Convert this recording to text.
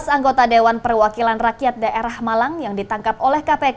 tujuh belas anggota dewan perwakilan rakyat daerah malang yang ditangkap oleh kpk